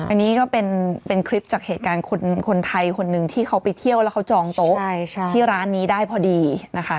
อันนี้ก็เป็นคลิปจากเหตุการณ์คนไทยคนหนึ่งที่เขาไปเที่ยวแล้วเขาจองโต๊ะที่ร้านนี้ได้พอดีนะคะ